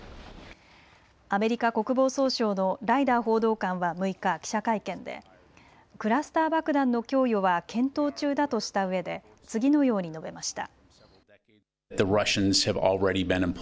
アメリカ国防総省のライダー報道官は６日、記者会見でクラスター爆弾の供与は検討中だとしたうえで次のように述べました。